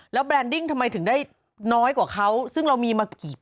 แล้วแบรนดิ้งทำไมถึงได้น้อยกว่าเขาซึ่งเรามีมากี่ปี